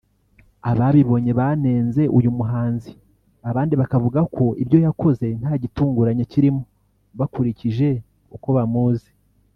Ababibonye banenze uyu muhanzi abandi bakavuga ko ibyo yakoze nta gitunguranye kirimo bakurikije uko bamuzi